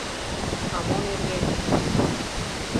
— А мо нерген?